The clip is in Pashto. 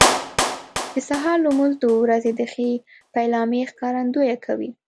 د سهار لمونځ د ورځې د ښې پیلامې ښکارندویي کوي.